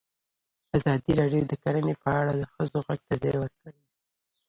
ازادي راډیو د کرهنه په اړه د ښځو غږ ته ځای ورکړی.